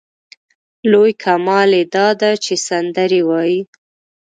لوی کمال یې دا دی چې سندرې وايي.